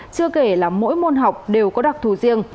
chưa kể là mỗi môn học đều có đặc thù riêng